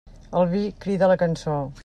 El vi crida la cançó.